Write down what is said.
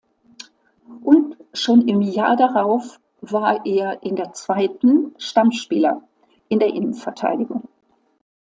Und schon im Jahr darauf war er in der Zweiten Stammspieler in der Innenverteidigung.